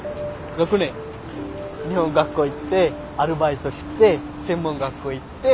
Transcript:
日本語学校行ってアルバイトして専門学校行って。